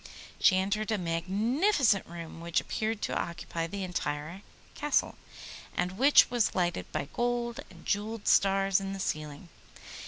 She entered a magnificent room which appeared to occupy the entire Castle, and which was lighted by gold and jewelled stars in the ceiling.